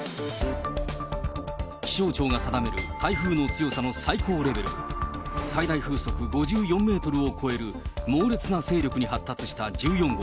気象庁が定める台風の強さの最高レベル、最大風速５４メートルを超える猛烈な勢力に発達した１４号。